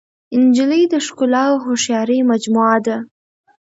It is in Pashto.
نجلۍ د ښکلا او هوښیارۍ مجموعه ده.